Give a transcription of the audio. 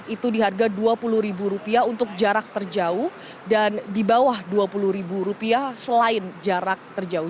itu di harga rp dua puluh untuk jarak terjauh dan di bawah rp dua puluh selain jarak terjauh